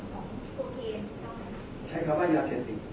แต่ว่าไม่มีปรากฏว่าถ้าเกิดคนให้ยาที่๓๑